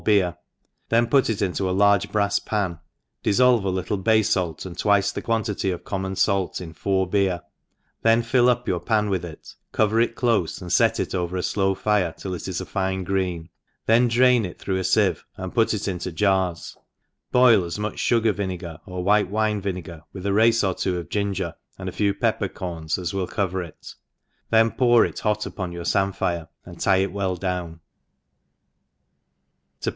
beer, then put it into alarge brafs pan, difiblve a little bay fait, and twice the quantity of com mon fait in four beer, then fill up ypur pan with ?t, cover it clofe, and fet it over a flow fire till it is a fine green, then drain it through a fieve^ and put it into jars, boil as much fugar vinegar or white wine vinegar, with a race or two of ginger, and a few pepper corns, as will cover It; then pour it hot upon your famphire^ and tic it well down,' r9 ENGi.